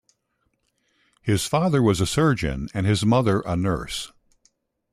His father was a surgeon and his mother a nurse.